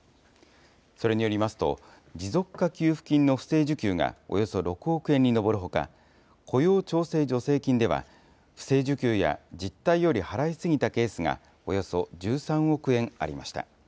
それによりますと、持続化給付金の不正受給がおよそ６億円に上るほか、雇用調整助成金では、不正受給や実態より払い過ぎたケースがおよそ１３億円ありました。